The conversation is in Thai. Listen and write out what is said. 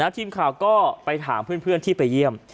ทีมข่าวก็ไปถามเพื่อนที่ไปเยี่ยม